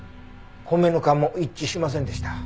米ぬかも一致しませんでした。